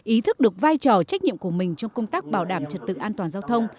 ý thức được vai trò trách nhiệm của mình trong công tác bảo đảm trật tự an toàn giao thông